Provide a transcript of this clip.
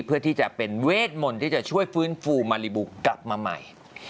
เพื่อที่จะเป็นเวทมนต์ที่จะช่วยฟื้นฟูมาริบูกลับมาใหม่